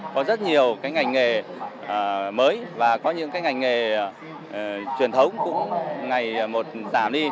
có rất nhiều ngành nghề mới và có những ngành nghề truyền thống cũng ngày một giảm đi